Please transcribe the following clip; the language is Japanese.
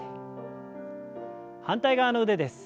反対側の腕です。